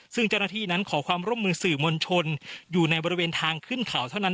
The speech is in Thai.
ซึ่งเจ้าหน้าที่นั้นขอความร่วมมือสื่อมวลชนอยู่ในบริเวณทางขึ้นเขาเท่านั้น